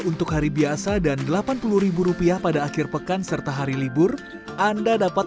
untuk hari biasa dan delapan puluh rupiah pada akhir pekan serta hari libur anda dapat